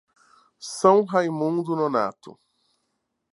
São Raimundo Nonato